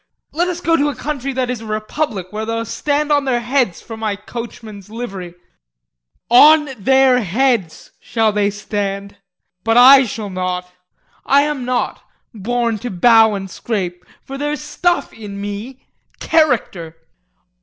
Let us go to a country that is a republic where they'll stand on their heads for my coachman's livery on their heads shall they stand but I shall not. I am not born to bow and scrape, for there's stuff in me character.